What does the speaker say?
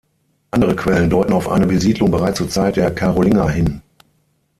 Andere Quellen deuten auf eine Besiedlung bereits zur Zeit der Karolinger hin.